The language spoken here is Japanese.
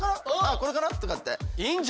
これかな？とかって。